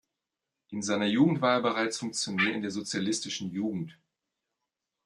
In seiner Jugend war er bereits Funktionär in der Sozialistischen Jugend.